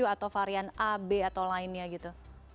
atau varian a b atau lainnya gitu